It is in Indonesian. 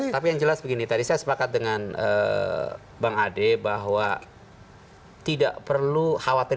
tapi yang jelas begini tadi saya sepakat dengan bang ade bahwa tidak perlu khawatir